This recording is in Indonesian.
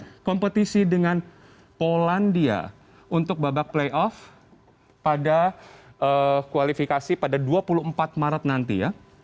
dan juga mereka akan berkompetisi dengan polandia untuk babak playoff pada kualifikasi pada dua puluh empat maret nanti